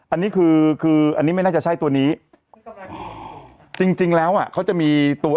อันนี้คือคืออันนี้ไม่น่าจะใช่ตัวนี้จริงจริงแล้วอ่ะเขาจะมีตัว